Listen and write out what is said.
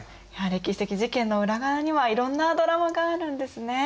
歴史的事件の裏側にはいろんなドラマがあるんですね。